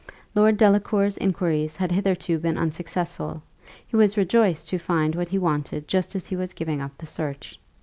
Lord Delacour's inquiries had hitherto been unsuccessful; he was rejoiced to find what he wanted just as he was giving up the search.